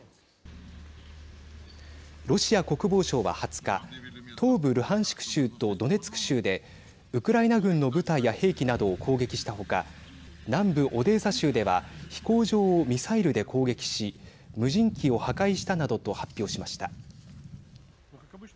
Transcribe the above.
ロシア国防省は２０日東部ルハンシク州とドネツク州でウクライナ軍の部隊や兵器などを攻撃したほか南部オデーサ州では飛行場をミサイルで攻撃し無人機を破壊したなどと発表しました。